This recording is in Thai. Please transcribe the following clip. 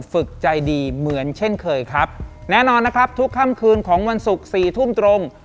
ฝึกใจดีเหมือนเช่นเคยครับแน่นอนนะครับทุกค่ำคืนของวันศุกร์สี่ทุ่มตรง